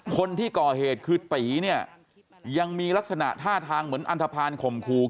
คนที่ก่อเหตุคือตีเนี่ยยังมีลักษณะท่าทางเหมือนอันทภาณข่มขู่